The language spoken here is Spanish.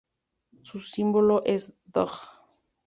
Su símbolo es dg.